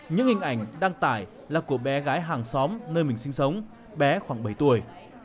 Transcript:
những hình ảnh đăng tải là của bé gái hàng xóm nơi mình sinh sống bé khoảng bảy tuổi